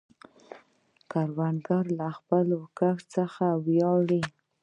کروندګر له خپل کښت څخه ویاړي